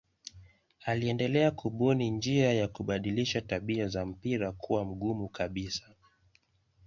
Aliendelea kubuni njia ya kubadilisha tabia za mpira kuwa mgumu kabisa.